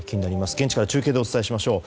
現地から中継でお伝えしましょう。